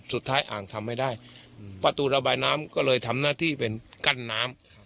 อ่างทำไม่ได้ประตูระบายน้ำก็เลยทำหน้าที่เป็นกั้นน้ำ